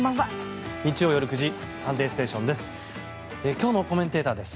日曜夜９時「サンデーステーション」です。